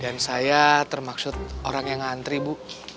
dan saya termaksud orang yang ngantri bu